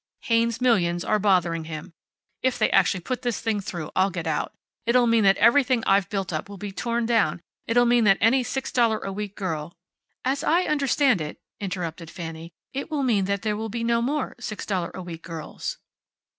Haynes's millions are bothering him. If they actually put this thing through I'll get out. It'll mean that everything I've built up will be torn down. It will mean that any six dollar a week girl " "As I understand it," interrupted Fanny, "it will mean that there will be no more six dollar a week girls."